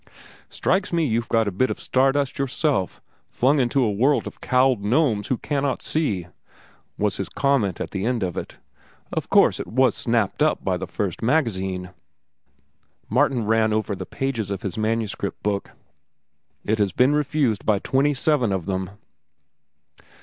"Strikes me you're a bit of star dust yourself, flung into a world of cowled gnomes who cannot see," was his comment at the end of it. "Of course it was snapped up by the first magazine?" Martin ran over the pages of his manuscript book. "It has been refused by twenty seven of them."